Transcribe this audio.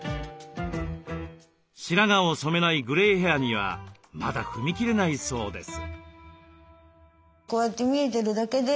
白髪を染めないグレイヘアにはまだ踏み切れないそうです。